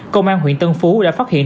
công an huyện tân phú đã phát hiện